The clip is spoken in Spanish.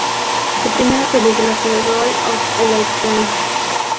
Su primera película fue "Role of a Lifetime".